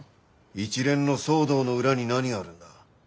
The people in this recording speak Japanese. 一連の騒動の裏に何があるんだ？